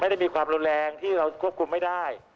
ไม่ได้มีความรุนแรงที่เราควบคุมไม่ได้